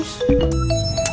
itu mah maunya kamu